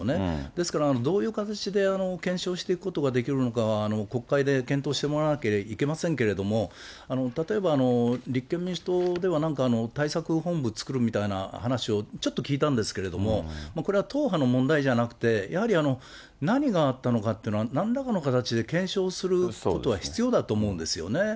ですから、どういう形で検証していくことができるのかは、国会で検討してもらわなきゃいけませんけれども、例えば立憲民主党では、なんか対策本部作るみたいな話をちょっと聞いたんですけれども、これは党派の問題じゃなくて、やはり、何があったのかっていうのはなんらかの形で検証することは必要だと思うんですよね。